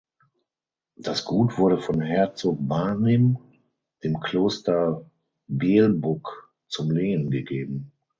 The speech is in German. Das Gut wurde von Herzog Barnim dem Kloster Belbuck zum Lehen gegeben.